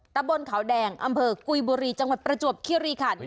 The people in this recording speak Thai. ตะบนเขาแดงอำเภอกุยบุรีจังหวัดประจวบคิริขัน